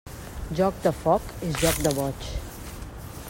Joc de foc és joc de boig.